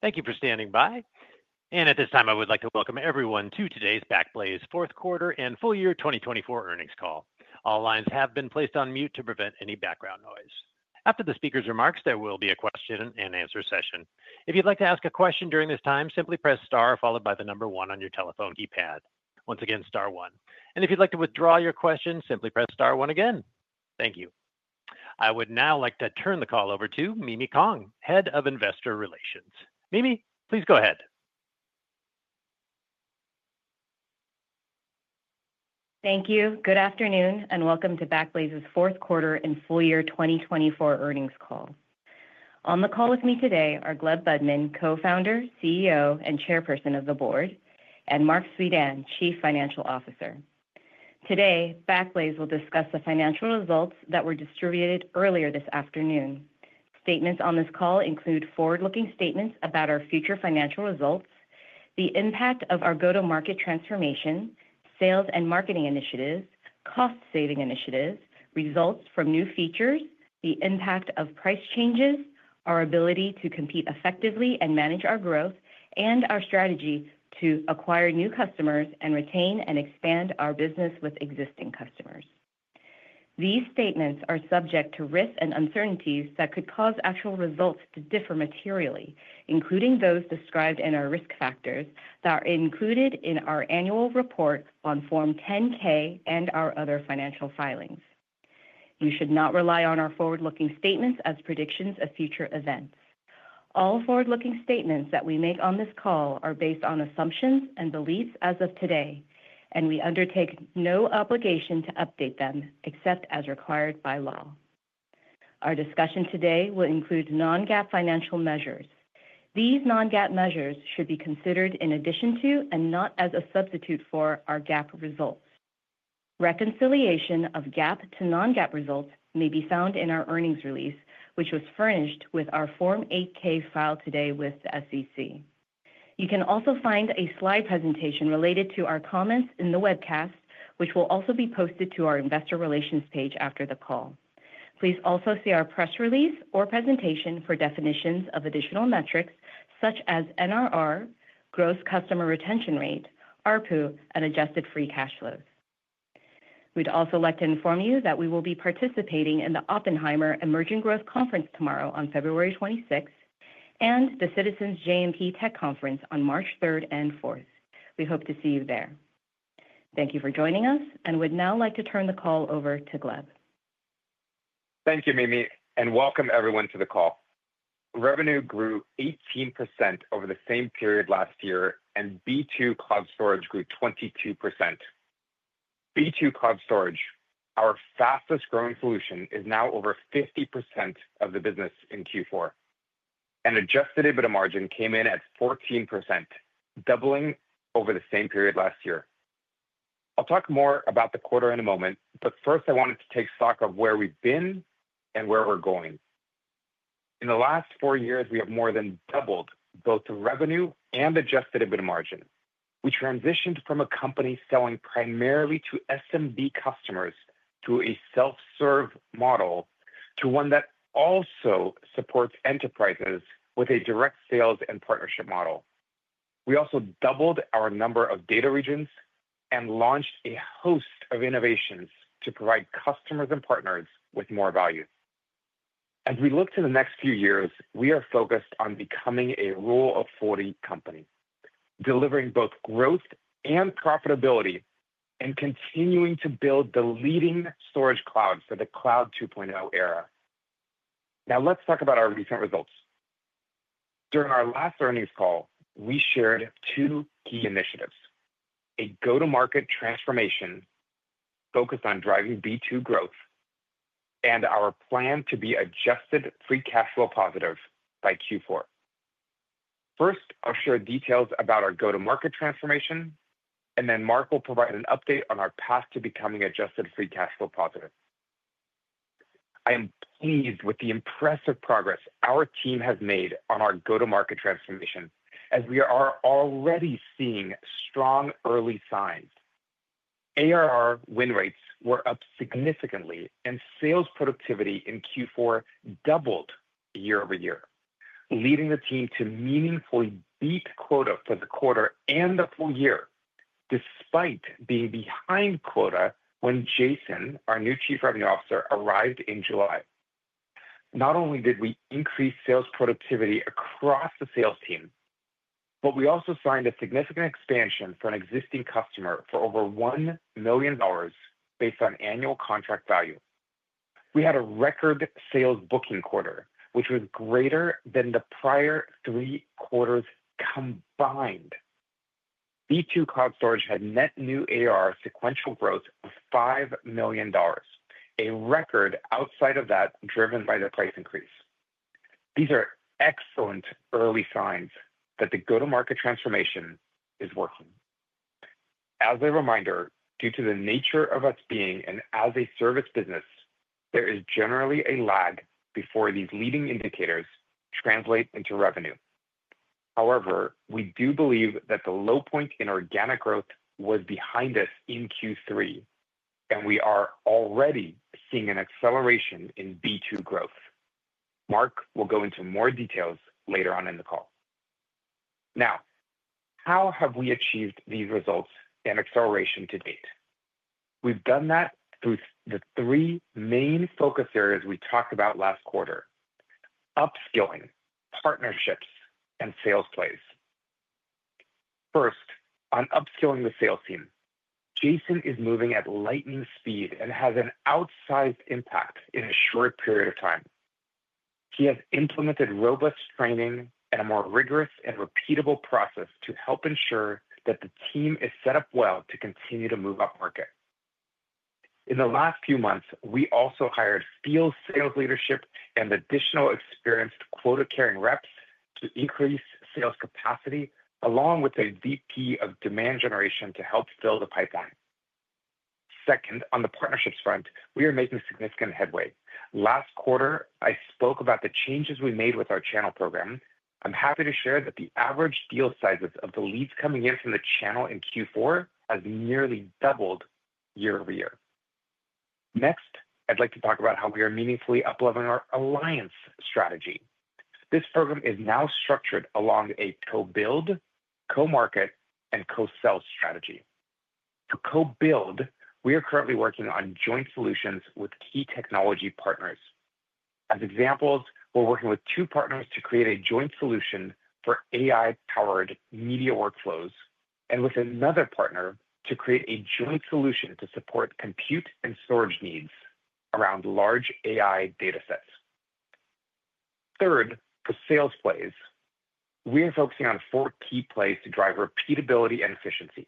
Thank you for standing by, and at this time, I would like to welcome everyone to today's Backblaze Fourth Quarter and Full Year 2024 Earnings Call. All lines have been placed on mute to prevent any background noise. After the speaker's remarks, there will be a question and answer session. If you'd like to ask a question during this time, simply press star followed by the number one on your telephone keypad. Once again, star one, and if you'd like to withdraw your question, simply press star one again. Thank you. I would now like to turn the call over to Mimi Kong, Head of Investor Relations. Mimi, please go ahead. Thank you. Good afternoon and welcome to Backblaze's Fourth Quarter and Full Year 2024 earnings call. On the call with me today are Gleb Budman, Co-founder, CEO, and Chairperson of the Board, and Marc Suidan, Chief Financial Officer. Today, Backblaze will discuss the financial results that were distributed earlier this afternoon. Statements on this call include forward-looking statements about our future financial results, the impact of our go-to-market transformation, sales and marketing initiatives, cost-saving initiatives, results from new features, the impact of price changes, our ability to compete effectively and manage our growth, and our strategy to acquire new customers and retain and expand our business with existing customers. These statements are subject to risks and uncertainties that could cause actual results to differ materially, including those described in our risk factors that are included in our annual report on Form 10-K and our other financial filings. You should not rely on our forward-looking statements as predictions of future events. All forward-looking statements that we make on this call are based on assumptions and beliefs as of today, and we undertake no obligation to update them except as required by law. Our discussion today will include non-GAAP financial measures. These non-GAAP measures should be considered in addition to and not as a substitute for our GAAP results. Reconciliation of GAAP to non-GAAP results may be found in our earnings release, which was furnished with our Form 8-K filed today with the SEC. You can also find a slide presentation related to our comments in the webcast, which will also be posted to our investor relations page after the call. Please also see our press release or presentation for definitions of additional metrics such as NRR, Gross Customer Retention Rate, ARPU, and Adjusted Free Cash Flows. We'd also like to inform you that we will be participating in the Oppenheimer Emerging Growth Conference tomorrow on February 26th and the Citizens JMP Tech Conference on March 3rd and 4th. We hope to see you there. Thank you for joining us, and we'd now like to turn the call over to Gleb. Thank you, Mimi, and welcome everyone to the call. Revenue grew 18% over the same period last year, and B2 Cloud Storage grew 22%. B2 Cloud Storage, our fastest-growing solution, is now over 50% of the business in Q4. An Adjusted EBITDA margin came in at 14%, doubling over the same period last year. I'll talk more about the quarter in a moment, but first, I wanted to take stock of where we've been and where we're going. In the last four years, we have more than doubled both the revenue and Adjusted EBITDA margin. We transitioned from a company selling primarily to SMB customers to a self-serve model to one that also supports enterprises with a direct sales and partnership model. We also doubled our number of data regions and launched a host of innovations to provide customers and partners with more value. As we look to the next few years, we are focused on becoming a Rule of 40 company, delivering both growth and profitability, and continuing to build the leading storage cloud for the Cloud 2.0 era. Now, let's talk about our recent results. During our last earnings call, we shared two key initiatives: a go-to-market transformation focused on driving B2 growth and our plan to be adjusted free cash flow positive by Q4. First, I'll share details about our go-to-market transformation, and then Marc will provide an update on our path to becoming adjusted free cash flow positive. I am pleased with the impressive progress our team has made on our go-to-market transformation, as we are already seeing strong early signs. ARR win rates were up significantly, and sales productivity in Q4 doubled year over year, leading the team to meaningfully beat quota for the quarter and the full year, despite being behind quota when Jason, our new Chief Revenue Officer, arrived in July. Not only did we increase sales productivity across the sales team, but we also signed a significant expansion for an existing customer for over $1 million based on annual contract value. We had a record sales booking quarter, which was greater than the prior three quarters combined. B2 Cloud Storage had net new ARR sequential growth of $5 million, a record outside of that driven by the price increase. These are excellent early signs that the go-to-market transformation is working. As a reminder, due to the nature of us being an as-a-service business, there is generally a lag before these leading indicators translate into revenue. However, we do believe that the low point in organic growth was behind us in Q3, and we are already seeing an acceleration in B2 growth. Marc will go into more details later on in the call. Now, how have we achieved these results and acceleration to date? We've done that through the three main focus areas we talked about last quarter: upskilling, partnerships, and sales plays. First, on upskilling the sales team, Jason is moving at lightning speed and has an outsized impact in a short period of time. He has implemented robust training and a more rigorous and repeatable process to help ensure that the team is set up well to continue to move up market. In the last few months, we also hired skilled sales leadership and additional experienced quota-carrying reps to increase sales capacity, along with a VP of Demand Generation to help fill the pipeline. Second, on the partnerships front, we are making significant headway. Last quarter, I spoke about the changes we made with our channel program. I'm happy to share that the average deal sizes of the leads coming in from the channel in Q4 have nearly doubled year-over-year. Next, I'd like to talk about how we are meaningfully up-leveling our alliance strategy. This program is now structured along a co-build, co-market, and co-sell strategy. For co-build, we are currently working on joint solutions with key technology partners. As examples, we're working with two partners to create a joint solution for AI-powered media workflows and with another partner to create a joint solution to support compute and storage needs around large AI data sets. Third, for sales plays, we are focusing on four key plays to drive repeatability and efficiency.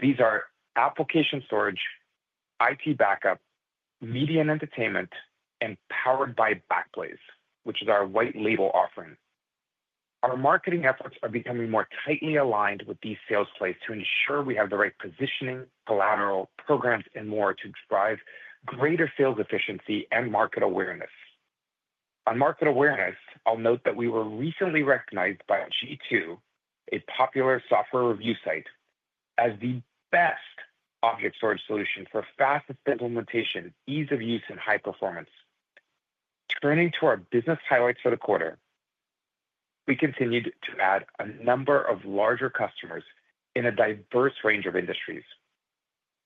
These are application storage, IT backup, media and entertainment, and Powered by Backblaze, which is our white-label offering. Our marketing efforts are becoming more tightly aligned with these sales plays to ensure we have the right positioning, collateral, programs, and more to drive greater sales efficiency and market awareness. On market awareness, I'll note that we were recently recognized by G2, a popular software review site, as the best object storage solution for fastest implementation, ease of use, and high performance. Turning to our business highlights for the quarter, we continued to add a number of larger customers in a diverse range of industries.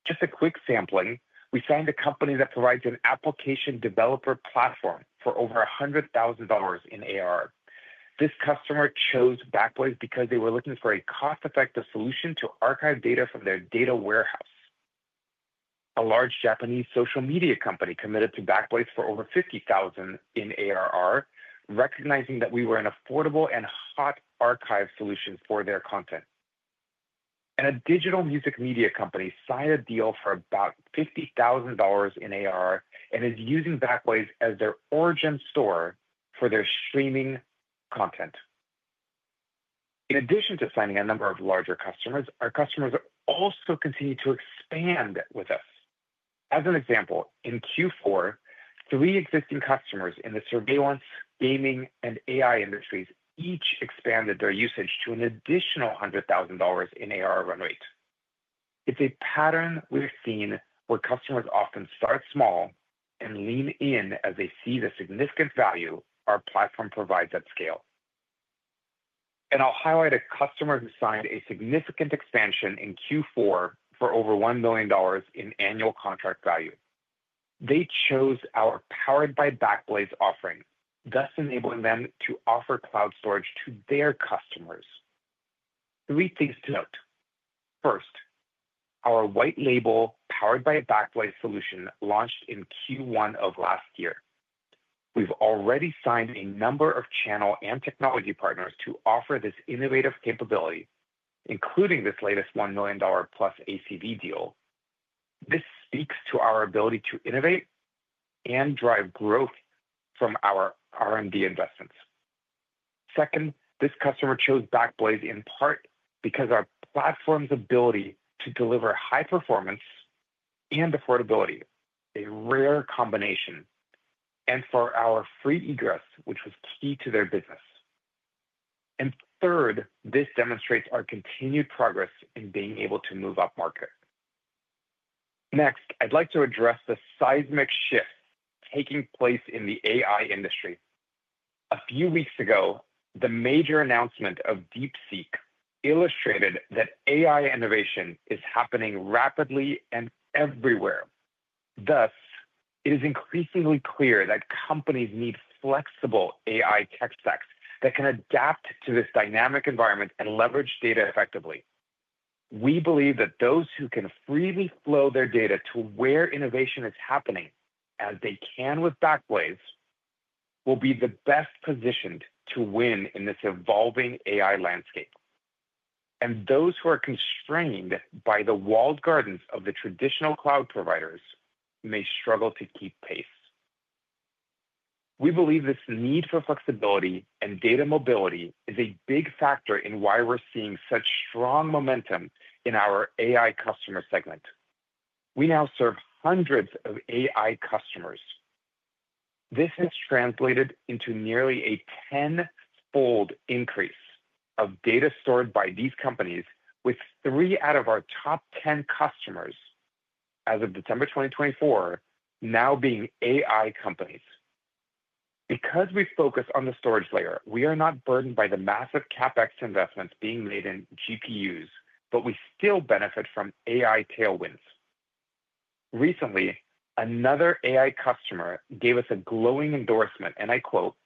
Just a quick sampling, we signed a company that provides an application developer platform for over $100,000 in ARR. This customer chose Backblaze because they were looking for a cost-effective solution to archive data from their data warehouse. A large Japanese social media company committed to Backblaze for over $50,000 in ARR, recognizing that we were an affordable and hot archive solution for their content. And a digital music media company signed a deal for about $50,000 in ARR and is using Backblaze as their origin store for their streaming content. In addition to signing a number of larger customers, our customers also continue to expand with us. As an example, in Q4, three existing customers in the surveillance, gaming, and AI industries each expanded their usage to an additional $100,000 in ARR run rate. It's a pattern we've seen where customers often start small and lean in as they see the significant value our platform provides at scale. And I'll highlight a customer who signed a significant expansion in Q4 for over $1 million in annual contract value. They chose our Powered by Backblaze offering, thus enabling them to offer cloud storage to their customers. Three things to note. First, our white label Powered by Backblaze solution launched in Q1 of last year. We've already signed a number of channel and technology partners to offer this innovative capability, including this latest $1 million-plus ACV deal. This speaks to our ability to innovate and drive growth from our R&D investments. Second, this customer chose Backblaze in part because our platform's ability to deliver high performance and affordability, a rare combination, and for our free egress, which was key to their business. And third, this demonstrates our continued progress in being able to move up market. Next, I'd like to address the seismic shift taking place in the AI industry. A few weeks ago, the major announcement of DeepSeek illustrated that AI innovation is happening rapidly and everywhere. Thus, it is increasingly clear that companies need flexible AI tech stacks that can adapt to this dynamic environment and leverage data effectively. We believe that those who can freely flow their data to where innovation is happening, as they can with Backblaze, will be the best positioned to win in this evolving AI landscape, and those who are constrained by the walled gardens of the traditional cloud providers may struggle to keep pace. We believe this need for flexibility and data mobility is a big factor in why we're seeing such strong momentum in our AI customer segment. We now serve hundreds of AI customers. This has translated into nearly a tenfold increase of data stored by these companies, with three out of our top 10 customers as of December 2024 now being AI companies. Because we focus on the storage layer, we are not burdened by the massive CapEx investments being made in GPUs, but we still benefit from AI tailwinds. Recently, another AI customer gave us a glowing endorsement, and I quote,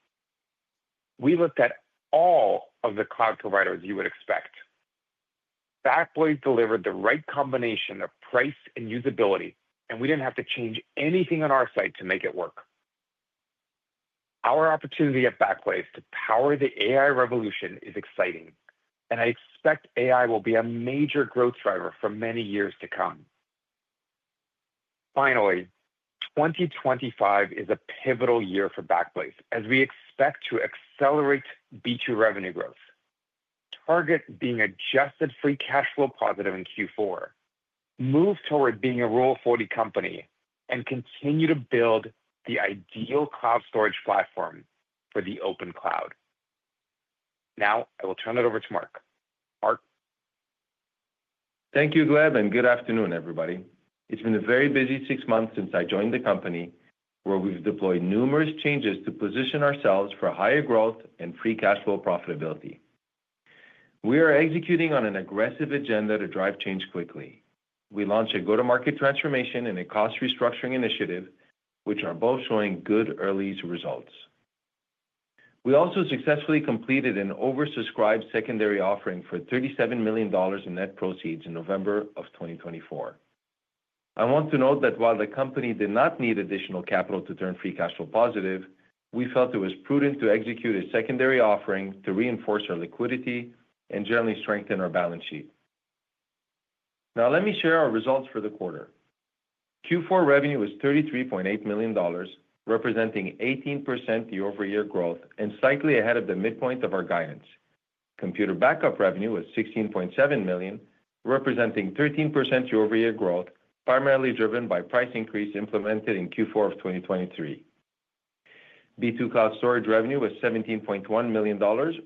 "We looked at all of the cloud providers you would expect. Backblaze delivered the right combination of price and usability, and we didn't have to change anything on our side to make it work." Our opportunity at Backblaze to power the AI revolution is exciting, and I expect AI will be a major growth driver for many years to come. Finally, 2025 is a pivotal year for Backblaze, as we expect to accelerate B2 revenue growth, target being adjusted free cash flow positive in Q4, move toward being a Rule of 40 company, and continue to build the ideal cloud storage platform for the open cloud. Now, I will turn it over to Marc. Marc. Thank you, Gleb, and good afternoon, everybody. It's been a very busy six months since I joined the company, where we've deployed numerous changes to position ourselves for higher growth and free cash flow profitability. We are executing on an aggressive agenda to drive change quickly. We launched a go-to-market transformation and a cost restructuring initiative, which are both showing good early results. We also successfully completed an oversubscribed secondary offering for $37 million in net proceeds in November of 2024. I want to note that while the company did not need additional capital to turn free cash flow positive, we felt it was prudent to execute a secondary offering to reinforce our liquidity and generally strengthen our balance sheet. Now, let me share our results for the quarter. Q4 revenue was $33.8 million, representing 18% year-over-year growth and slightly ahead of the midpoint of our guidance. Computer Backup revenue was $16.7 million, representing 13% year-over-year growth, primarily driven by price increase implemented in Q4 of 2023. B2 Cloud Storage revenue was $17.1 million,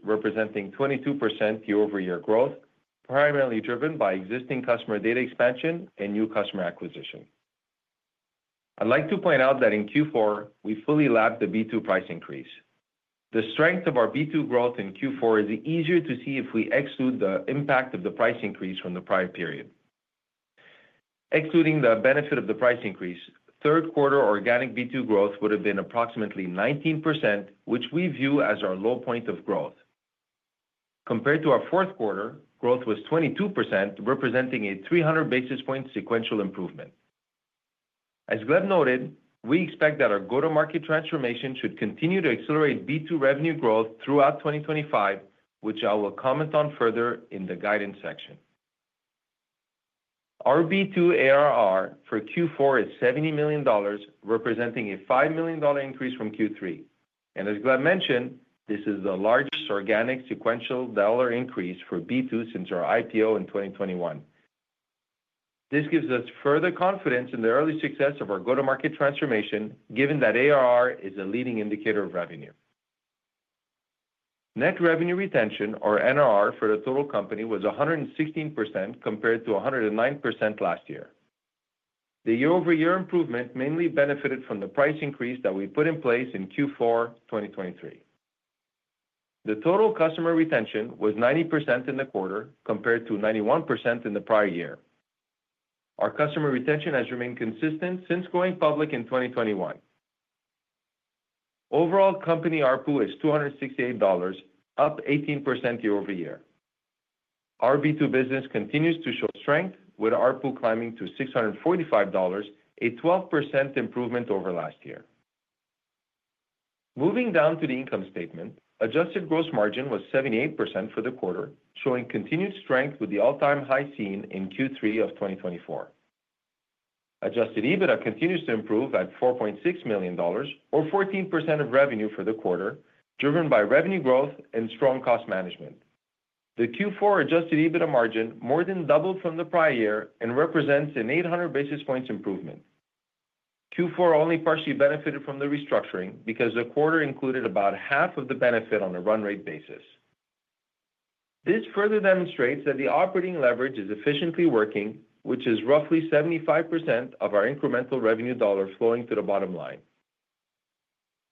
representing 22% year-over-year growth, primarily driven by existing customer data expansion and new customer acquisition. I'd like to point out that in Q4, we fully lapped the B2 price increase. The strength of our B2 growth in Q4 is easier to see if we exclude the impact of the price increase from the prior period. Excluding the benefit of the price increase, third quarter organic B2 growth would have been approximately 19%, which we view as our low point of growth. Compared to our fourth quarter, growth was 22%, representing a 300 basis point sequential improvement. As Gleb noted, we expect that our go-to-market transformation should continue to accelerate B2 revenue growth throughout 2025, which I will comment on further in the guidance section. Our B2 ARR for Q4 is $70 million, representing a $5 million increase from Q3. And as Gleb mentioned, this is the largest organic sequential dollar increase for B2 since our IPO in 2021. This gives us further confidence in the early success of our go-to-market transformation, given that ARR is a leading indicator of revenue. Net revenue retention, or NRR, for the total company was 116% compared to 109% last year. The year-over-year improvement mainly benefited from the price increase that we put in place in Q4 2023. The total customer retention was 90% in the quarter compared to 91% in the prior year. Our customer retention has remained consistent since going public in 2021. Overall, company ARPU is $268, up 18% year-over-year. Our B2 business continues to show strength, with ARPU climbing to $645, a 12% improvement over last year. Moving down to the income statement, adjusted gross margin was 78% for the quarter, showing continued strength with the all-time high seen in Q3 of 2024. Adjusted EBITDA continues to improve at $4.6 million, or 14% of revenue for the quarter, driven by revenue growth and strong cost management. The Q4 Adjusted EBITDA margin more than doubled from the prior year and represents an 800 basis points improvement. Q4 only partially benefited from the restructuring because the quarter included about half of the benefit on a run rate basis. This further demonstrates that the operating leverage is efficiently working, which is roughly 75% of our incremental revenue dollar flowing to the bottom line.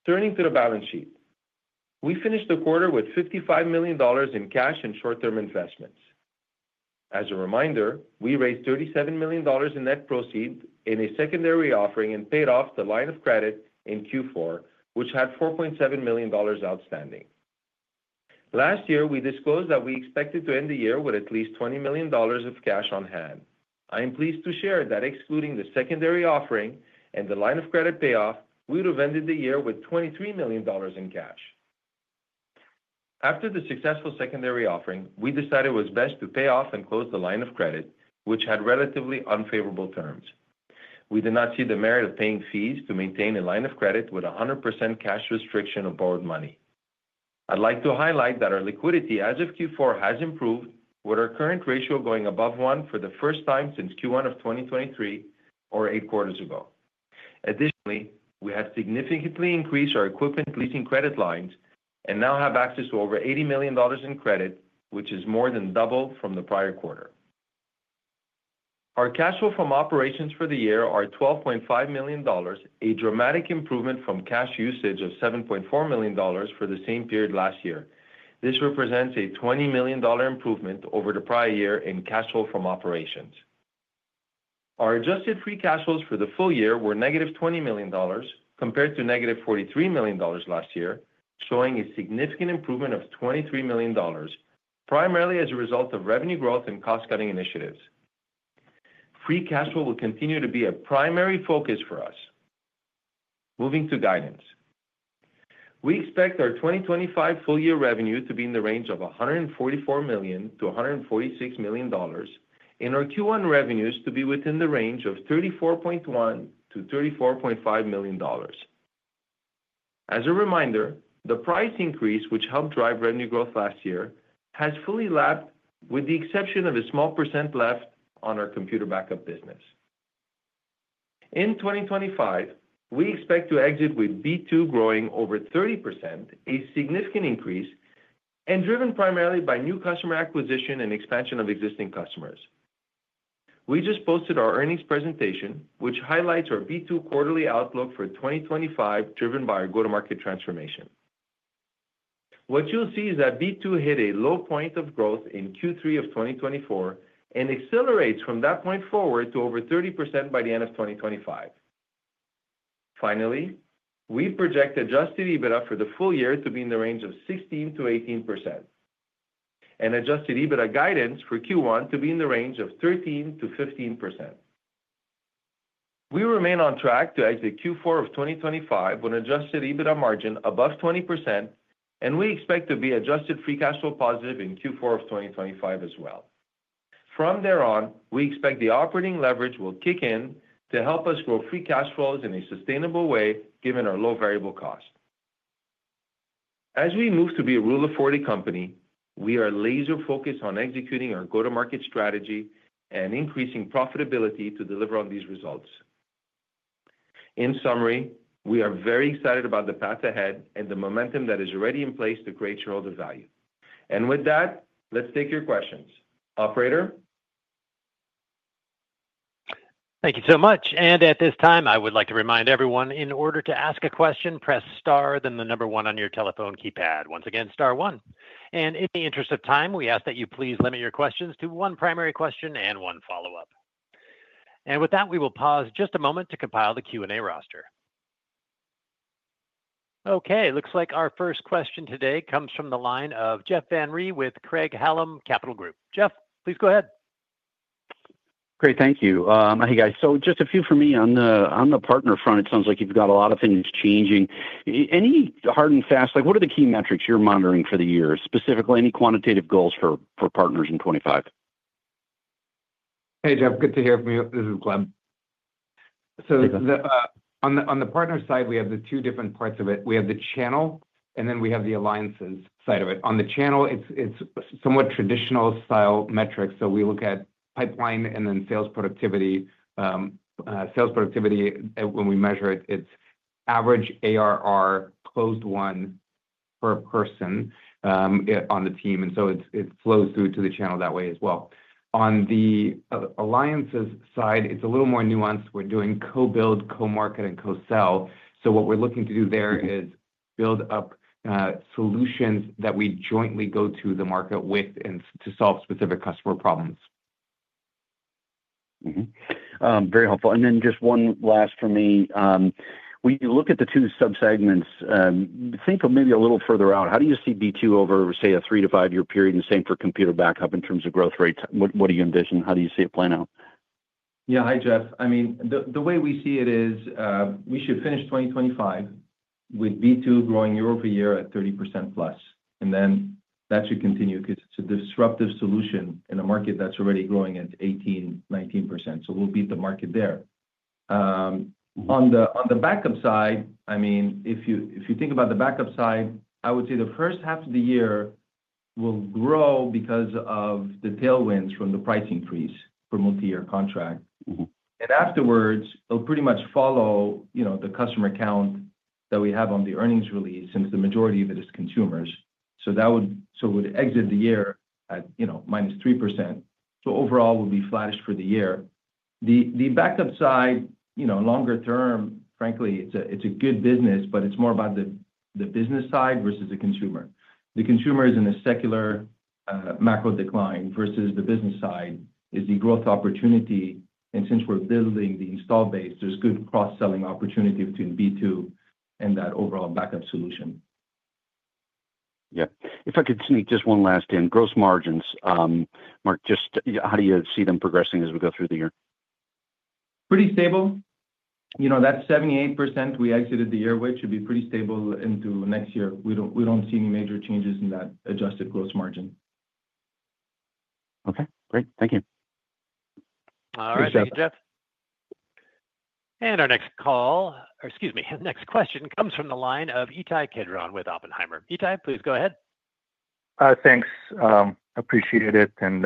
Turning to the balance sheet, we finished the quarter with $55 million in cash and short-term investments. As a reminder, we raised $37 million in net proceeds in a secondary offering and paid off the line of credit in Q4, which had $4.7 million outstanding. Last year, we disclosed that we expected to end the year with at least $20 million of cash on hand. I am pleased to share that excluding the secondary offering and the line of credit payoff, we would have ended the year with $23 million in cash. After the successful secondary offering, we decided it was best to pay off and close the line of credit, which had relatively unfavorable terms. We did not see the merit of paying fees to maintain a line of credit with 100% cash restriction of borrowed money. I'd like to highlight that our liquidity as of Q4 has improved, with our current ratio going above one for the first time since Q1 of 2023, or eight quarters ago. Additionally, we have significantly increased our equipment leasing credit lines and now have access to over $80 million in credit, which is more than double from the prior quarter. Our cash flow from operations for the year are $12.5 million, a dramatic improvement from cash usage of $7.4 million for the same period last year. This represents a $20 million improvement over the prior year in cash flow from operations. Our adjusted free cash flows for the full year were negative $20 million, compared to negative $43 million last year, showing a significant improvement of $23 million, primarily as a result of revenue growth and cost-cutting initiatives. Free cash flow will continue to be a primary focus for us. Moving to guidance, we expect our 2025 full-year revenue to be in the range of $144 million-$146 million, and our Q1 revenues to be within the range of $34.1-$34.5 million. As a reminder, the price increase, which helped drive revenue growth last year, has fully lapped, with the exception of a small percent left on our computer backup business. In 2025, we expect to exit with B2 growing over 30%, a significant increase, and driven primarily by new customer acquisition and expansion of existing customers. We just posted our earnings presentation, which highlights our B2 quarterly outlook for 2025, driven by our go-to-market transformation. What you'll see is that B2 hit a low point of growth in Q3 of 2024 and accelerates from that point forward to over 30% by the end of 2025. Finally, we project Adjusted EBITDA for the full year to be in the range of 16%-18%, and Adjusted EBITDA guidance for Q1 to be in the range of 13%-15%. We remain on track to exit Q4 of 2025 with an Adjusted EBITDA margin above 20%, and we expect to be adjusted free cash flow positive in Q4 of 2025 as well. From there on, we expect the operating leverage will kick in to help us grow free cash flows in a sustainable way, given our low variable cost. As we move to be a Rule of 40 company, we are laser-focused on executing our go-to-market strategy and increasing profitability to deliver on these results. In summary, we are very excited about the path ahead and the momentum that is already in place to create shareholder value. And with that, let's take your questions. Operator. Thank you so much. And at this time, I would like to remind everyone, in order to ask a question, press star, then the number one on your telephone keypad. Once again, star one. And in the interest of time, we ask that you please limit your questions to one primary question and one follow-up. And with that, we will pause just a moment to compile the Q&A roster. Okay, it looks like our first question today comes from the line of Jeff Van Rhee with Craig-Hallum Capital Group. Jeff, please go ahead. Great, thank you. Hey, guys. So just a few for me. On the partner front, it sounds like you've got a lot of things changing. Any hard and fast, like what are the key metrics you're monitoring for the year? Specifically, any quantitative goals for partners in 2025? Hey, Jeff, good to hear from you. This is Gleb. So on the partner side, we have the two different parts of it. We have the channel, and then we have the alliances side of it. On the channel, it's somewhat traditional style metrics. So we look at pipeline and then sales productivity. Sales productivity, when we measure it, it's average ARR closed one per person on the team. And so it flows through to the channel that way as well. On the alliances side, it's a little more nuanced. We're doing co-build, co-market, and co-sell. So what we're looking to do there is build up solutions that we jointly go to the market with and to solve specific customer problems. Very helpful. And then just one last for me. When you look at the two subsegments, think of maybe a little further out. How do you see B2 over, say, a three to five-year period, and same for computer backup in terms of growth rates? What do you envision? How do you see it playing out? Yeah, hi, Jeff. I mean, the way we see it is we should finish 2025 with B2 growing year-over-year at 30% plus. And then that should continue because it's a disruptive solution in a market that's already growing at 18%, 19%. So we'll beat the market there. On the backup side, I mean, if you think about the backup side, I would say the first half of the year will grow because of the tailwinds from the price increase for multi-year contract. And afterwards, it'll pretty much follow the customer count that we have on the earnings release, since the majority of it is consumers. So that would exit the year at minus 3%. So overall, we'll be flattish for the year. The backup side, longer term, frankly, it's a good business, but it's more about the business side versus the consumer. The consumer is in a secular macro decline, versus the business side, is the growth opportunity, and since we're building the installed base, there's good cross-selling opportunity between B2 and that overall backup solution. Yeah. If I could sneak just one last in, gross margins, Marc, just how do you see them progressing as we go through the year? Pretty stable. That 78% we exited the year with should be pretty stable into next year. We don't see any major changes in that adjusted gross margin. Okay. Great. Thank you. All right. Thank you, Jeff. Our next call, or excuse me, next question comes from the line of Ittai Kidron with Oppenheimer. Ittai, please go ahead. Thanks. Appreciate it. And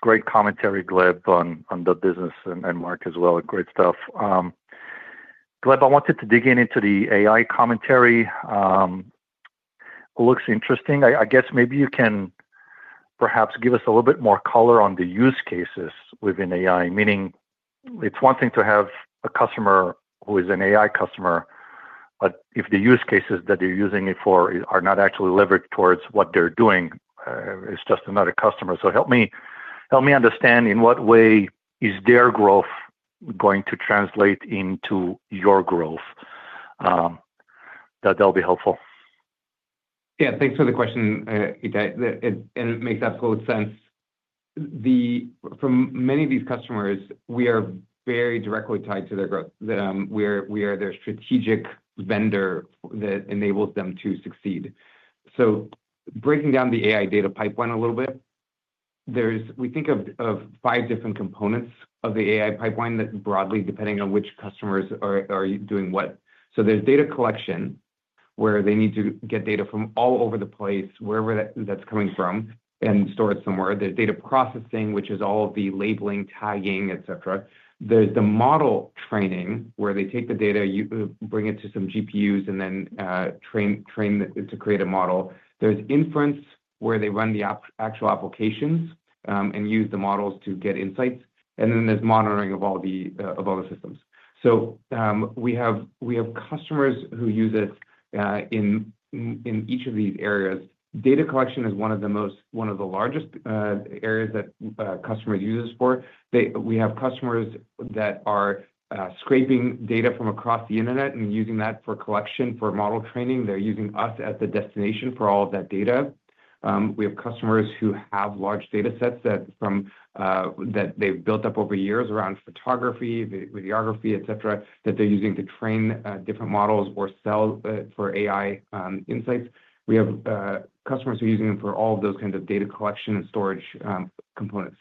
great commentary, Gleb, on the business and Marc as well. Great stuff. Gleb, I wanted to dig in into the AI commentary. It looks interesting. I guess maybe you can perhaps give us a little bit more color on the use cases within AI, meaning it's one thing to have a customer who is an AI customer, but if the use cases that they're using it for are not actually leveraged towards what they're doing, it's just another customer. So help me understand in what way is their growth going to translate into your growth. That'll be helpful. Yeah, thanks for the question, Ittai. And it makes absolute sense. From many of these customers, we are very directly tied to their growth. We are their strategic vendor that enables them to succeed. So breaking down the AI data pipeline a little bit, we think of five different components of the AI pipeline that broadly, depending on which customers are doing what. So there's data collection, where they need to get data from all over the place, wherever that's coming from, and store it somewhere. There's data processing, which is all of the labeling, tagging, etc. There's the model training, where they take the data, bring it to some GPUs, and then train to create a model. There's inference, where they run the actual applications and use the models to get insights. And then there's monitoring of all the systems. We have customers who use it in each of these areas. Data collection is one of the largest areas that customers use this for. We have customers that are scraping data from across the internet and using that for collection, for model training. They're using us as the destination for all of that data. We have customers who have large data sets that they've built up over years around photography, videography, etc., that they're using to train different models or sell for AI insights. We have customers who are using them for all of those kinds of data collection and storage components.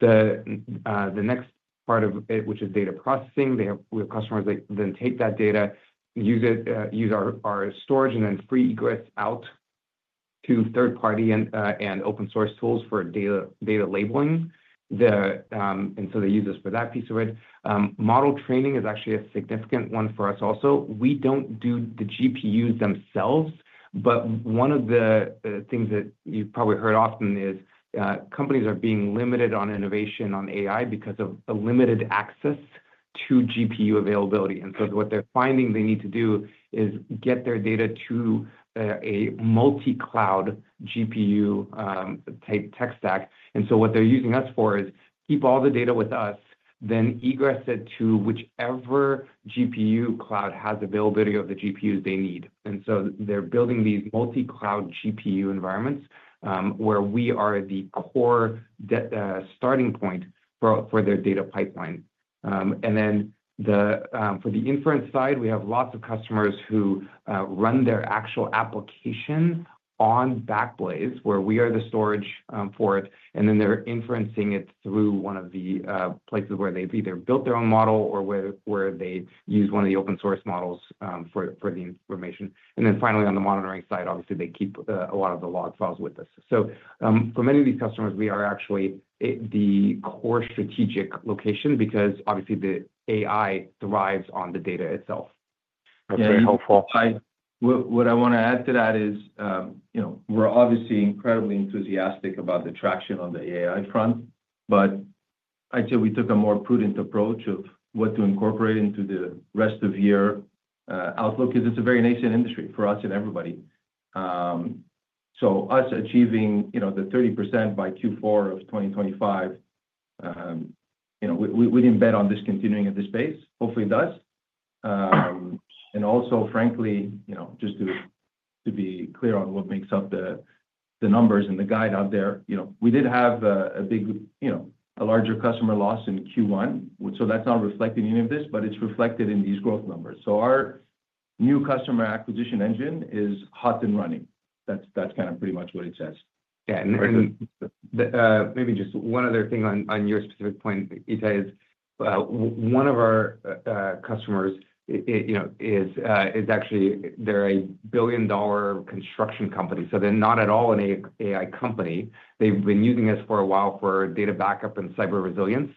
The next part of it, which is data processing, we have customers that then take that data, use our storage, and then free egress out to third-party and open-source tools for data labeling, and so they use us for that piece of it. Model training is actually a significant one for us also. We don't do the GPUs themselves, but one of the things that you've probably heard often is companies are being limited on innovation on AI because of limited access to GPU availability. And so what they're finding they need to do is get their data to a multi-cloud GPU-type tech stack. And so what they're using us for is keep all the data with us, then egress it to whichever GPU cloud has availability of the GPUs they need. And so they're building these multi-cloud GPU environments where we are the core starting point for their data pipeline. And then for the inference side, we have lots of customers who run their actual application on Backblaze, where we are the storage for it. And then they're inferencing it through one of the places where they've either built their own model or where they use one of the open-source models for the information. And then finally, on the monitoring side, obviously, they keep a lot of the log files with us. So for many of these customers, we are actually the core strategic location because, obviously, the AI thrives on the data itself. That's very helpful. What I want to add to that is we're obviously incredibly enthusiastic about the traction on the AI front, but I'd say we took a more prudent approach of what to incorporate into the rest of year outlook because it's a very nascent industry for us and everybody. So us achieving the 30% by Q4 of 2025, we didn't bet on this continuing at this pace. Hopefully, it does. And also, frankly, just to be clear on what makes up the numbers and the guide out there, we did have a larger customer loss in Q1. So that's not reflected in any of this, but it's reflected in these growth numbers. So our new customer acquisition engine is hot and running. That's kind of pretty much what it says. Yeah, and maybe just one other thing on your specific point, Ittai, is one of our customers is actually they're a billion-dollar construction company. So they're not at all an AI company. They've been using us for a while for data backup and cyber resilience.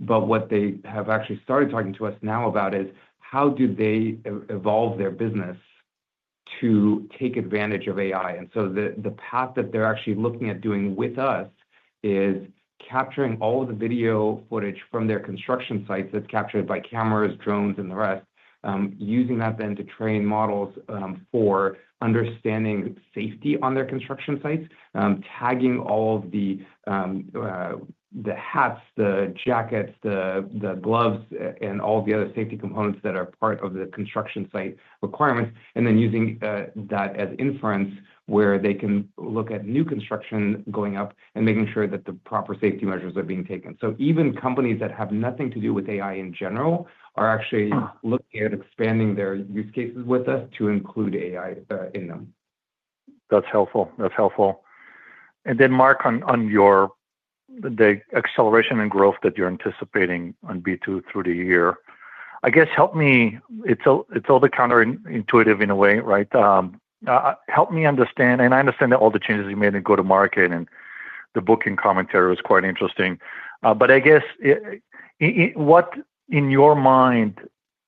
But what they have actually started talking to us now about is how do they evolve their business to take advantage of AI. The path that they're actually looking at doing with us is capturing all of the video footage from their construction sites that's captured by cameras, drones, and the rest, using that then to train models for understanding safety on their construction sites, tagging all of the hats, the jackets, the gloves, and all the other safety components that are part of the construction site requirements, and then using that as inference where they can look at new construction going up and making sure that the proper safety measures are being taken. Even companies that have nothing to do with AI in general are actually looking at expanding their use cases with us to include AI in them. That's helpful. That's helpful. And then, Marc, on the acceleration and growth that you're anticipating on B2 through the year, I guess help me it's altogether counterintuitive in a way, right? Help me understand, and I understand that all the changes you made in go to market and the booking commentary was quite interesting. But I guess what in your mind,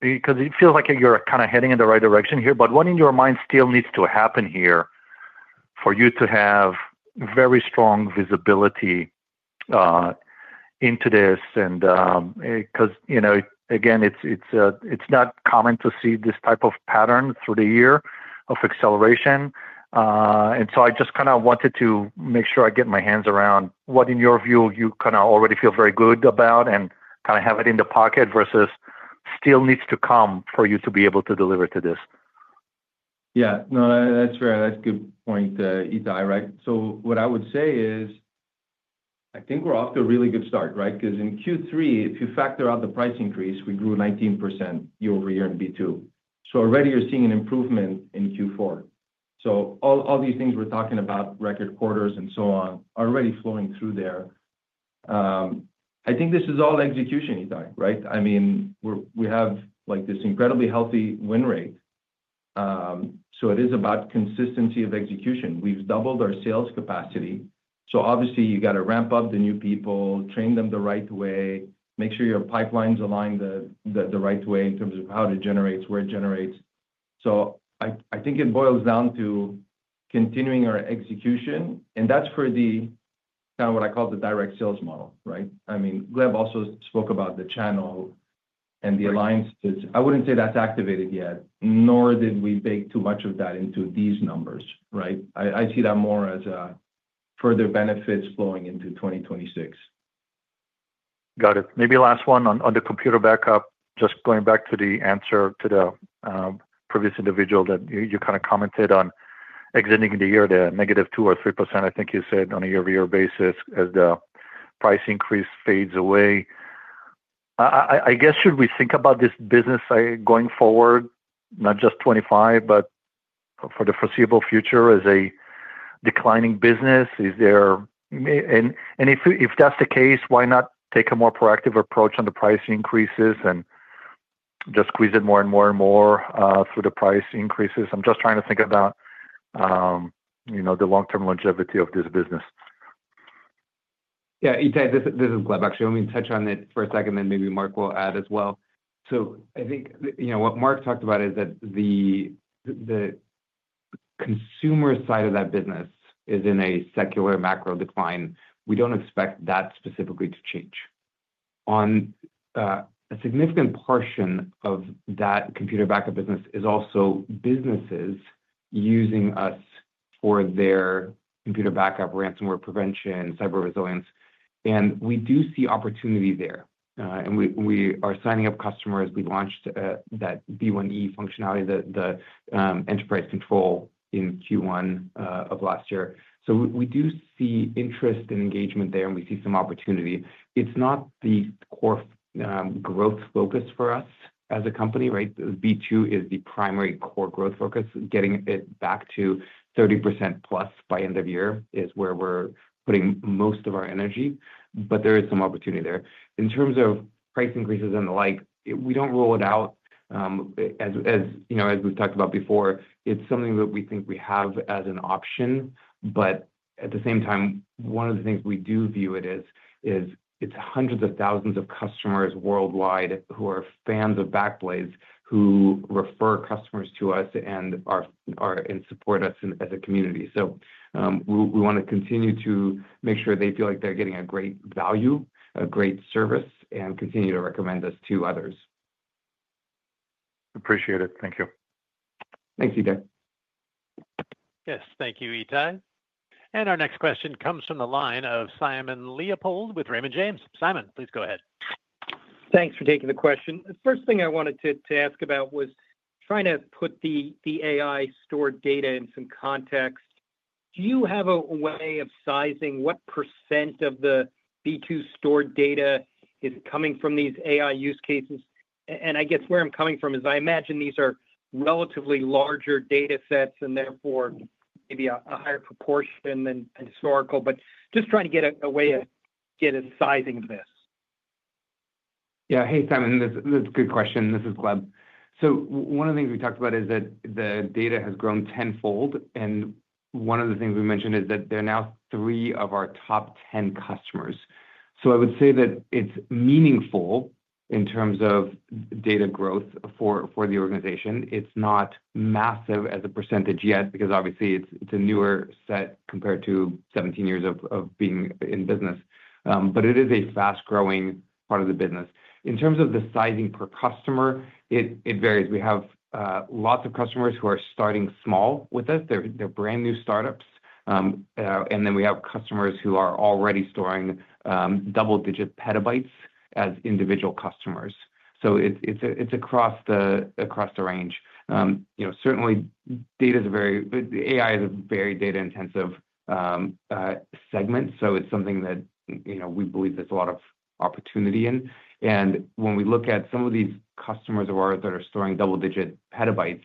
because it feels like you're kind of heading in the right direction here, but what in your mind still needs to happen here for you to have very strong visibility into this? And because, again, it's not common to see this type of pattern through the year of acceleration. I just kind of wanted to make sure I get my hands around what, in your view, you kind of already feel very good about and kind of have it in the pocket versus still needs to come for you to be able to deliver to this. Yeah. No, that's fair. That's a good point, Ittai, right? So what I would say is I think we're off to a really good start, right? Because in Q3, if you factor out the price increase, we grew 19% year-over-year in B2. So already you're seeing an improvement in Q4. So all these things we're talking about, record quarters and so on, are already flowing through there. I think this is all execution, Ittai, right? I mean, we have this incredibly healthy win rate. So it is about consistency of execution. We've doubled our sales capacity. So obviously, you got to ramp up the new people, train them the right way, make sure your pipeline's aligned the right way in terms of how it generates, where it generates. So I think it boils down to continuing our execution. And that's for the kind of what I call the direct sales model, right? I mean, Gleb also spoke about the channel and the alliances. I wouldn't say that's activated yet, nor did we bake too much of that into these numbers, right? I see that more as further benefits flowing into 2026. Got it. Maybe last one on the Computer Backup, just going back to the answer to the previous individual that you kind of commented on exiting the year at a negative 2% or 3%, I think you said on a year-over-year basis as the price increase fades away. I guess, should we think about this business going forward, not just 2025, but for the foreseeable future as a declining business? And if that's the case, why not take a more proactive approach on the price increases and just squeeze it more and more and more through the price increases? I'm just trying to think about the long-term longevity of this business. Yeah. Ittai, this is Gleb, actually. Let me touch on it for a second, then maybe Marc will add as well. So I think what Marc talked about is that the consumer side of that business is in a secular macro decline. We don't expect that specifically to change. A significant portion of that Computer Backup business is also businesses using us for their computer backup, ransomware prevention, cyber resilience. And we do see opportunity there. And we are signing up customers. We launched that B1E functionality, the enterprise control in Q1 of last year. So we do see interest and engagement there, and we see some opportunity. It's not the core growth focus for us as a company, right? B2 is the primary core growth focus. Getting it back to 30% plus by end of year is where we're putting most of our energy. But there is some opportunity there. In terms of price increases and the like, we don't rule it out. As we've talked about before, it's something that we think we have as an option. But at the same time, one of the things we do view it as is it's hundreds of thousands of customers worldwide who are fans of Backblaze who refer customers to us and support us as a community. So we want to continue to make sure they feel like they're getting a great value, a great service, and continue to recommend us to others. Appreciate it. Thank you. Thanks, Ittai. Yes. Thank you, Ittai. And our next question comes from the line of Simon Leopold with Raymond James. Simon, please go ahead. Thanks for taking the question. The first thing I wanted to ask about was trying to put the AI stored data in some context. Do you have a way of sizing what percent of the B2 stored data is coming from these AI use cases? And I guess where I'm coming from is I imagine these are relatively larger data sets and therefore maybe a higher proportion than historical, but just trying to get a way to get a sizing of this. Yeah. Hey, Simon. That's a good question. This is Gleb. So one of the things we talked about is that the data has grown tenfold, and one of the things we mentioned is that they're now three of our top 10 customers, so I would say that it's meaningful in terms of data growth for the organization. It's not massive as a percentage yet because, obviously, it's a newer set compared to 17 years of being in business, but it is a fast-growing part of the business. In terms of the sizing per customer, it varies. We have lots of customers who are starting small with us. They're brand new startups, and then we have customers who are already storing double-digit petabytes as individual customers, so it's across the range. Certainly, AI is a very data-intensive segment. It's something that we believe there's a lot of opportunity in. When we look at some of these customers of ours that are storing double-digit PB,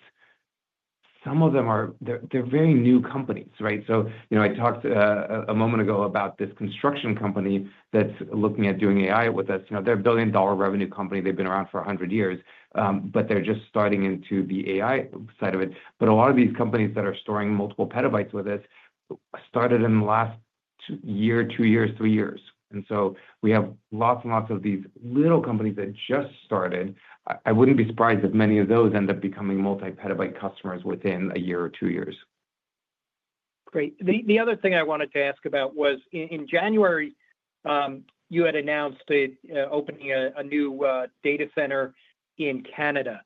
some of them they're very new companies, right? I talked a moment ago about this construction company that's looking at doing AI with us. They're a $1 billion revenue company. They've been around for 100 years, but they're just starting into the AI side of it. A lot of these companies that are storing multiple PB with us started in the last year, two years, three years. We have lots and lots of these little companies that just started. I wouldn't be surprised if many of those end up becoming multi-PB customers within a year or two years. Great. The other thing I wanted to ask about was in January, you had announced opening a new data center in Canada,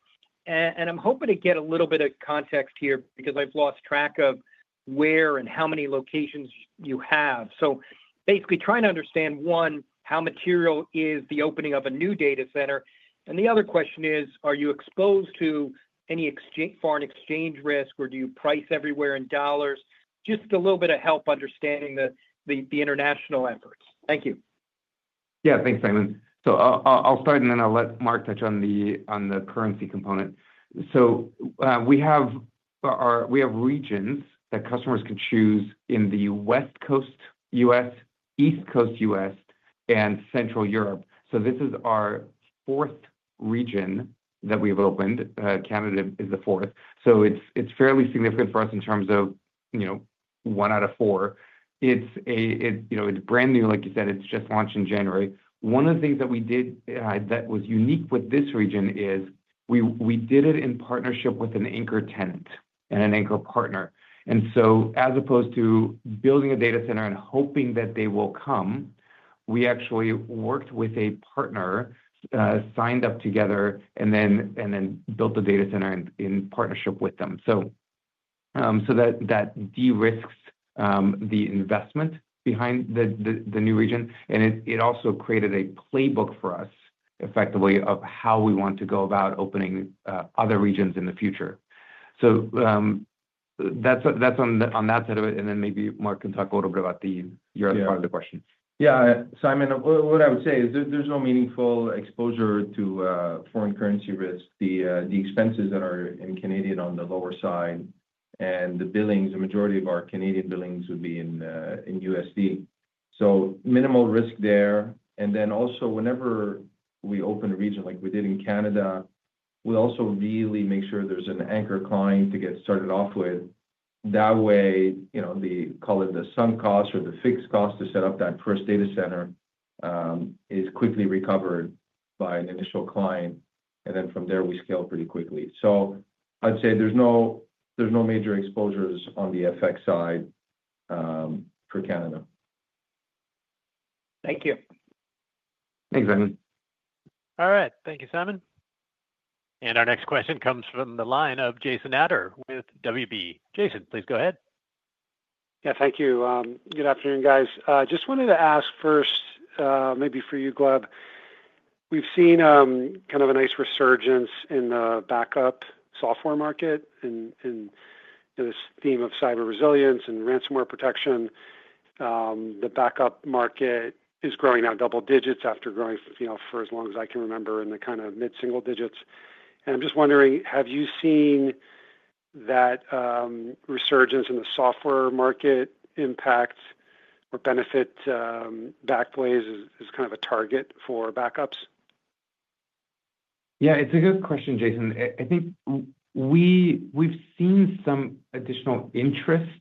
and I'm hoping to get a little bit of context here because I've lost track of where and how many locations you have, so basically trying to understand, one, how material is the opening of a new data center, and the other question is, are you exposed to any foreign exchange risk, or do you price everywhere in dollars? Just a little bit of help understanding the international efforts. Thank you. Yeah. Thanks, Simon. So I'll start, and then I'll let Marc touch on the currency component. So we have regions that customers can choose in the West Coast U.S., East Coast U.S., and Central Europe. So this is our fourth region that we've opened. Canada is the fourth. So it's fairly significant for us in terms of one out of four. It's brand new, like you said. It's just launched in January. One of the things that we did that was unique with this region is we did it in partnership with an anchor tenant and an anchor partner. And so as opposed to building a data center and hoping that they will come, we actually worked with a partner, signed up together, and then built the data center in partnership with them. So that de-risked the investment behind the new region. It also created a playbook for us, effectively, of how we want to go about opening other regions in the future. So that's on that side of it. And then maybe Marc can talk a little bit about the Europe part of the question. Yeah. Simon, what I would say is there's no meaningful exposure to foreign currency risk. The expenses that are in Canada are on the lower side and the billings, the majority of our Canadian billings would be in USD. So minimal risk there. And then also whenever we open a region like we did in Canada, we also really make sure there's an anchor client to get started off with. That way, they call it the sunk cost or the fixed cost to set up that first data center is quickly recovered by an initial client. And then from there, we scale pretty quickly. So I'd say there's no major exposures on the FX side for Canada. Thank you. Thanks, Simon. All right. Thank you, Simon. And our next question comes from the line of Jason Ader with WB. Jason, please go ahead. Yeah. Thank you. Good afternoon, guys. Just wanted to ask first, maybe for you, Gleb, we've seen kind of a nice resurgence in the backup software market and this theme of cyber resilience and ransomware protection. The backup market is growing now double digits after growing for as long as I can remember in the kind of mid-single digits. And I'm just wondering, have you seen that resurgence in the software market impact or benefit Backblaze as kind of a target for backups? Yeah. It's a good question, Jason. I think we've seen some additional interest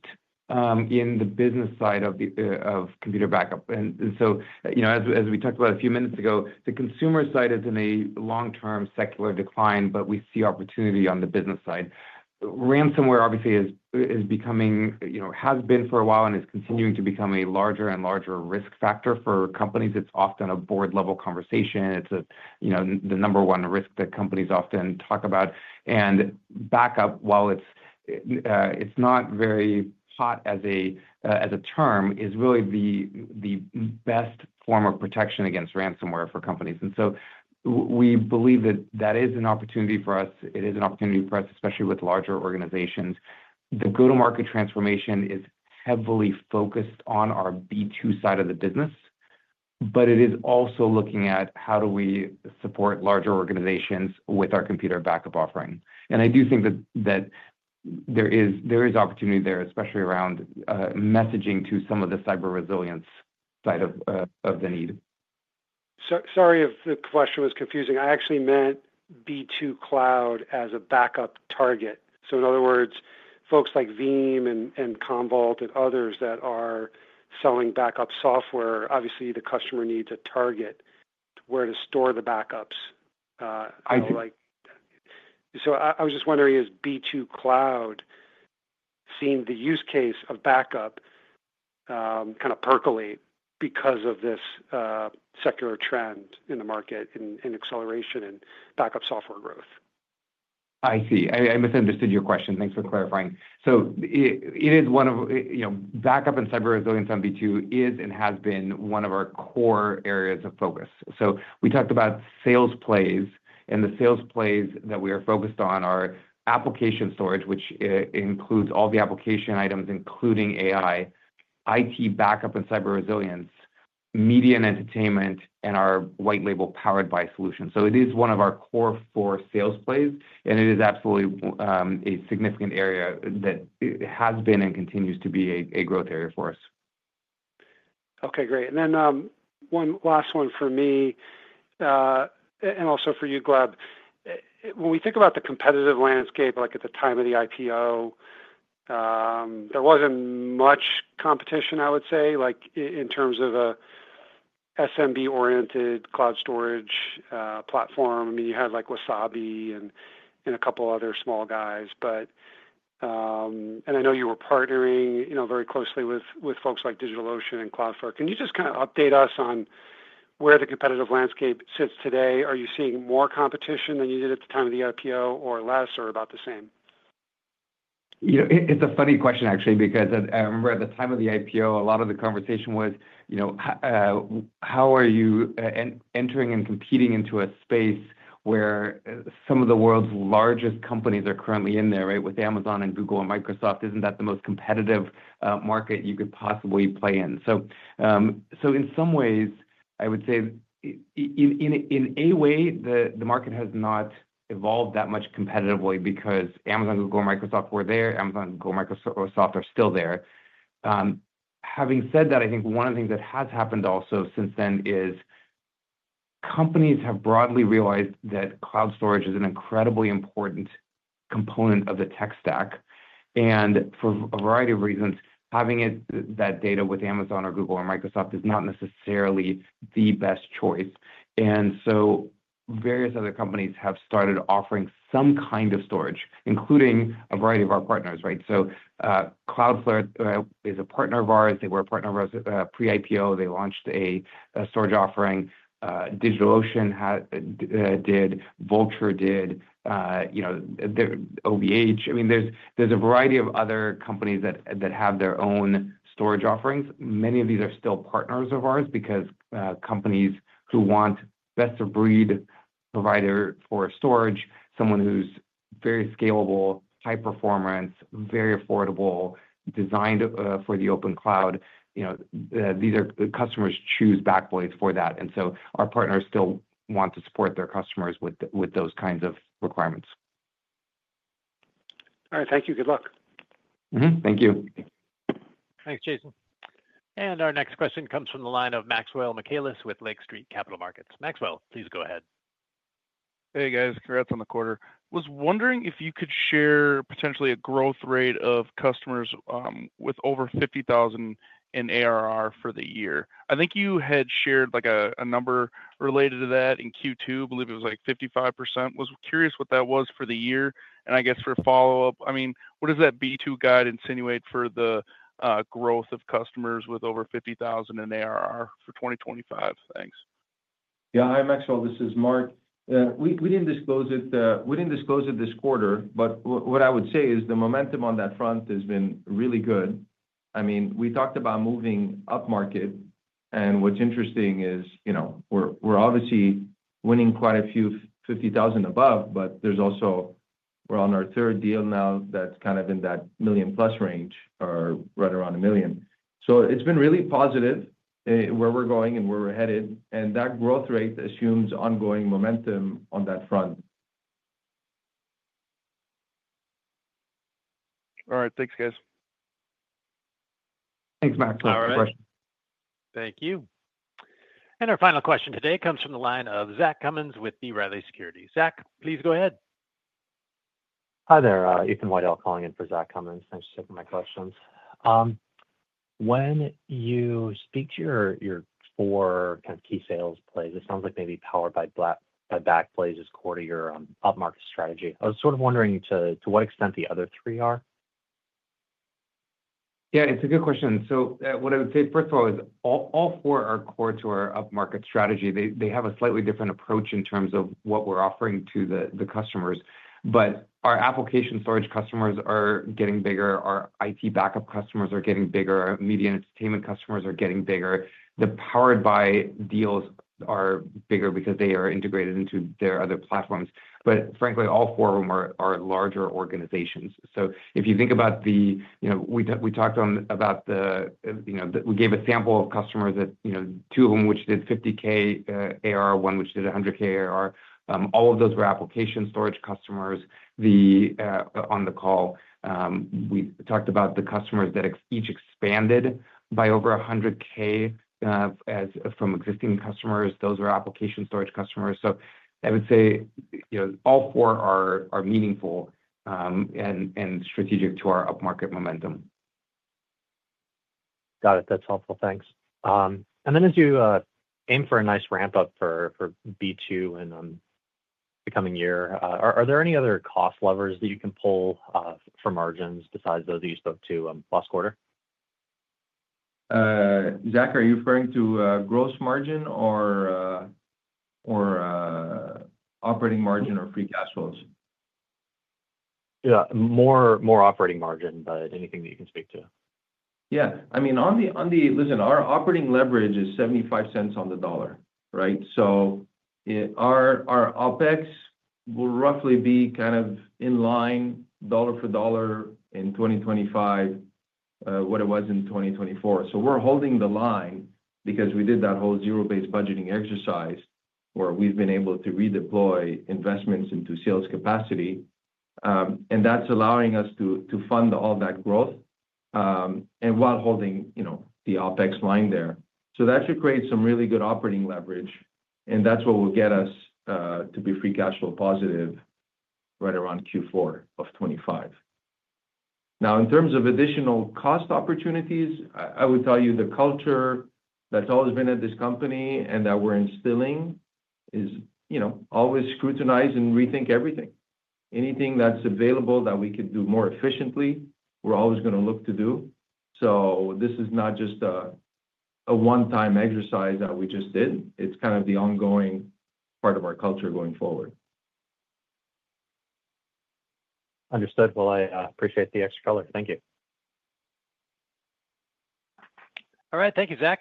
in the business side of computer backup. And so as we talked about a few minutes ago, the consumer side is in a long-term secular decline, but we see opportunity on the business side. Ransomware, obviously, has been for a while and is continuing to become a larger and larger risk factor for companies. It's often a board-level conversation. It's the number one risk that companies often talk about. And backup, while it's not very hot as a term, is really the best form of protection against Ransomware for companies. And so we believe that that is an opportunity for us. It is an opportunity for us, especially with larger organizations. The go-to-market transformation is heavily focused on our B2 side of the business, but it is also looking at how do we support larger organizations with our computer backup offering. And I do think that there is opportunity there, especially around messaging to some of the cyber resilience side of the need. Sorry if the question was confusing. I actually meant B2 Cloud as a backup target. So in other words, folks like Veeam and Commvault and others that are selling backup software, obviously, the customer needs a target where to store the backups. I do. I was just wondering, has B2 Cloud seen the use case of backup kind of percolate because of this secular trend in the market and acceleration in backup software growth? I see. I misunderstood your question. Thanks for clarifying, so it is one of backup and cyber resilience on B2 is and has been one of our core areas of focus, so we talked about sales plays, and the sales plays that we are focused on are application storage, which includes all the application items, including AI, IT backup and cyber resilience, media and entertainment, and our white-label powered by solutions, so it is one of our core four sales plays, and it is absolutely a significant area that has been and continues to be a growth area for us. Okay. Great. And then one last one for me and also for you, Gleb. When we think about the competitive landscape, like at the time of the IPO, there wasn't much competition, I would say, in terms of a SMB-oriented cloud storage platform. I mean, you had Wasabi and a couple of other small guys. And I know you were partnering very closely with folks like DigitalOcean and Cloudflare. Can you just kind of update us on where the competitive landscape sits today? Are you seeing more competition than you did at the time of the IPO or less or about the same? It's a funny question, actually, because I remember at the time of the IPO, a lot of the conversation was, how are you entering and competing into a space where some of the world's largest companies are currently in there, right, with Amazon and Google and Microsoft? Isn't that the most competitive market you could possibly play in? So in some ways, I would say in a way, the market has not evolved that much competitively because Amazon, Google, and Microsoft were there. Amazon, Google, and Microsoft are still there. Having said that, I think one of the things that has happened also since then is companies have broadly realized that cloud storage is an incredibly important component of the tech stack. And for a variety of reasons, having that data with Amazon or Google or Microsoft is not necessarily the best choice. Various other companies have started offering some kind of storage, including a variety of our partners, right? Cloudflare is a partner of ours. They were a partner of us pre-IPO. They launched a storage offering. DigitalOcean did. Vultr did. OVHcloud. I mean, there's a variety of other companies that have their own storage offerings. Many of these are still partners of ours because companies who want best-of-breed provider for storage, someone who's very scalable, high performance, very affordable, designed for the open cloud, these are customers choose Backblaze for that. Our partners still want to support their customers with those kinds of requirements. All right. Thank you. Good luck. Thank you. Thanks, Jason. And our next question comes from the line of Maxwell Michaelis with Lake Street Capital Markets. Maxwell, please go ahead. Hey, guys. Congrats on the quarter. Was wondering if you could share potentially a growth rate of customers with over $50,000 in ARR for the year? I think you had shared a number related to that in Q2. I believe it was like 55%. Was curious what that was for the year, and I guess for a follow-up, I mean, what does that B2 guide insinuate for the growth of customers with over $50,000 in ARR for 2025? Thanks. Yeah. Hi, Maxwell. This is Marc. We didn't disclose it. We didn't disclose it this quarter, but what I would say is the momentum on that front has been really good. I mean, we talked about moving up market. And what's interesting is we're obviously winning quite a few $50,000 above, but there's also we're on our third deal now that's kind of in that $1 million-plus range or right around a $1 million. So it's been really positive where we're going and where we're headed. And that growth rate assumes ongoing momentum on that front. All right. Thanks, guys. Thanks, Maxwell. All right. Great question. Thank you. And our final question today comes from the line of Zach Cummins with B. Riley Securities. Zach, please go ahead. Hi there. Ethan Widell calling in for Zach Cummins. Thanks for taking my questions. When you speak to your four kind of key sales plays, it sounds like maybe Powered by Backblaze is core to your upmarket strategy. I was sort of wondering to what extent the other three are. Yeah. It's a good question. So what I would say, first of all, is all four are core to our upmarket strategy. They have a slightly different approach in terms of what we're offering to the customers. But our application storage customers are getting bigger. Our IT backup customers are getting bigger. Our media and entertainment customers are getting bigger. The Powered by deals are bigger because they are integrated into their other platforms. But frankly, all four of them are larger organizations. So if you think about the way we talked about the way we gave a sample of customers that two of them, which did 50K ARR, one which did 100K ARR. All of those were application storage customers. On the call, we talked about the customers that each expanded by over 100K from existing customers. Those were application storage customers. So I would say all four are meaningful and strategic to our upmarket momentum. Got it. That's helpful. Thanks. And then as you aim for a nice ramp-up for B2 in the coming year, are there any other cost levers that you can pull for margins besides those that you spoke to last quarter? Zach, are you referring to gross margin or operating margin or free cash flows? Yeah. More operating margin, but anything that you can speak to? Yeah. I mean, on the listen, our operating leverage is 75 cents on the dollar, right? So our OpEx will roughly be kind of in line, dollar for dollar, in 2025, what it was in 2024. So we're holding the line because we did that whole zero-based budgeting exercise where we've been able to redeploy investments into sales capacity. And that's allowing us to fund all that growth while holding the OpEx line there. So that should create some really good operating leverage. And that's what will get us to be free cash flow positive right around Q4 of 2025. Now, in terms of additional cost opportunities, I would tell you the culture that's always been at this company and that we're instilling is always scrutinize and rethink everything. Anything that's available that we could do more efficiently, we're always going to look to do. So this is not just a one-time exercise that we just did. It's kind of the ongoing part of our culture going forward. Understood. Well, I appreciate the extra color. Thank you. All right. Thank you, Zach.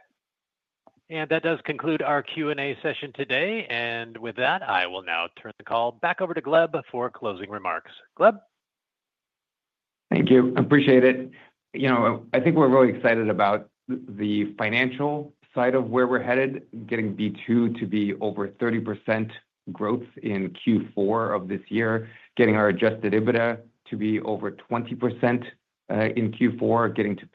And that does conclude our Q&A session today. And with that, I will now turn the call back over to Gleb for closing remarks. Gleb. Thank you. I appreciate it. I think we're really excited about the financial side of where we're headed, getting B2 to be over 30% growth in Q4 of this year, getting our Adjusted EBITDA to be over 20% in Q4, getting to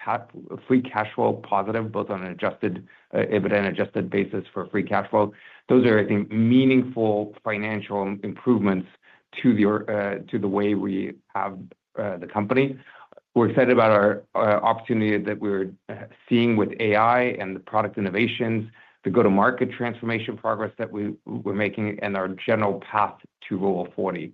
free cash flow positive, both on an Adjusted EBITDA and adjusted basis for free cash flow. Those are, I think, meaningful financial improvements to the way we have the company. We're excited about our opportunity that we're seeing with AI and the product innovations, the go-to-market transformation progress that we're making, and our general path to Rule of 40.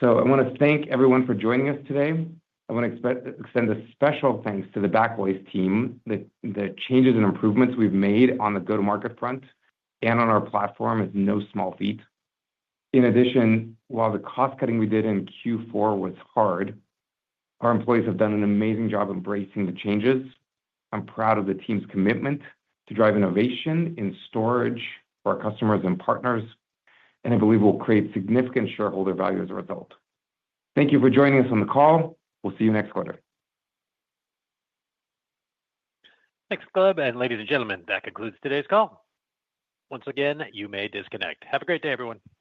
So I want to thank everyone for joining us today. I want to extend a special thanks to the Backblaze team. The changes and improvements we've made on the go-to-market front and on our platform is no small feat. In addition, while the cost cutting we did in Q4 was hard, our employees have done an amazing job embracing the changes. I'm proud of the team's commitment to drive innovation in storage for our customers and partners, and I believe we'll create significant shareholder value as a result. Thank you for joining us on the call. We'll see you next quarter. Thanks, Gleb, and ladies and gentlemen, that concludes today's call. Once again, you may disconnect. Have a great day, everyone.